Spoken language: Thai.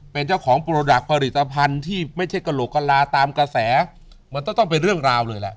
เป็นเจ้าของโปรดักต์ผลิตภัณฑ์ที่ไม่ใช่กระโหลกกะลาตามกระแสมันก็ต้องเป็นเรื่องราวเลยล่ะ